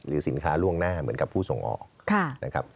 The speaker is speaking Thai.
หรือสินค้าล่วงหน้าเหมือนกับผู้ส่งออก